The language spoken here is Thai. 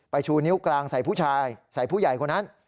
ชูนิ้วกลางใส่ผู้ชายใส่ผู้ใหญ่คนนั้น